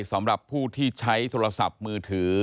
สำหรับผู้ที่ใช้โทรศัพท์มือถือ